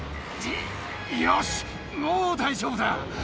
よし、もう大丈夫だ。